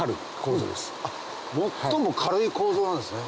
最も軽い構造なんですね。